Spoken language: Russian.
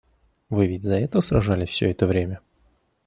Вы ведь за это сражались все это время?